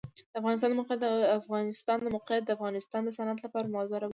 د افغانستان د موقعیت د افغانستان د صنعت لپاره مواد برابروي.